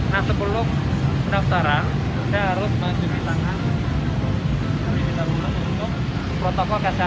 nah sebelum naftaran saya harus masuk di sana